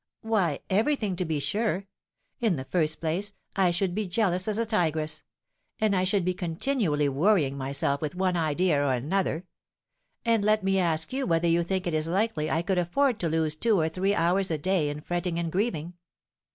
"Why, everything, to be sure. In the first place, I should be jealous as a tigress; and I should be continually worrying myself with one idea or another; and let me ask you whether you think it is likely I could afford to lose two or three hours a day in fretting and grieving.